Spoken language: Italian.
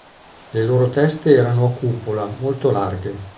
Le loro teste erano a cupola, molto larghe.